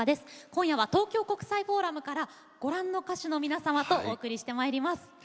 今夜は、東京国際フォーラムからご覧の歌手の皆様とお送りしてまいります。